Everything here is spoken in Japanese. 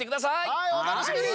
はいおたのしみに！